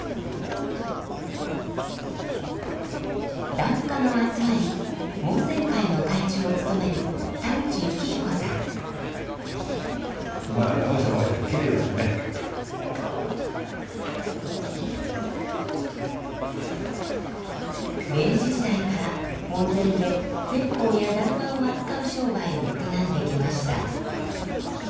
檀家の集まり門前会の会長を務める明治時代から門前で線香や達磨を扱う商売を営んできました。